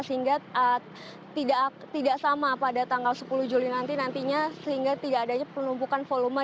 sehingga tidak sama pada tanggal sepuluh juli nanti nantinya sehingga tidak adanya penumpukan volume